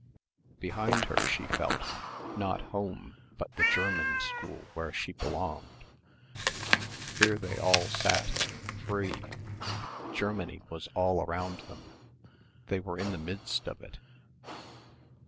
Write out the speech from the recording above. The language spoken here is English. Behind her she felt, not home but the German school where she belonged. Here they all sat, free. Germany was all around them. They were in the midst of it.